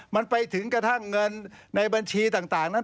มันไปถึงกระทั่งเงินในบัญชีต่างนั้น